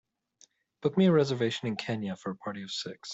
Book me a reservation in Kenya for a party of six